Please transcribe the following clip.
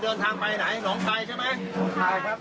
ก็ต้องมารถไปกระบวนทางหาข้าวกินค่ะ